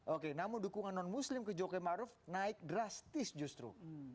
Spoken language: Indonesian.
oke namun dukungan non muslim ke jokowi maruf naik drastis justru